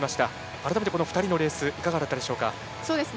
改めて、この２人のレースいかがだったでしょうか？